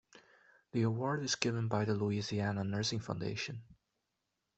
The award is given by the Louisiana Nursing Foundation.